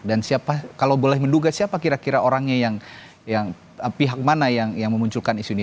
dan siapa kalau boleh menduga siapa kira kira orangnya yang pihak mana yang memunculkan isu ini